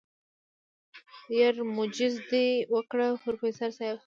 يره موجيزه دې وکړه پروفيسر صيب.